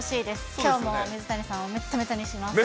きょうも水谷さんをめっためたにします。